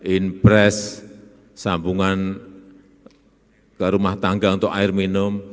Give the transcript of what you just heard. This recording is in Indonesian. inpres sambungan ke rumah tangga untuk air minum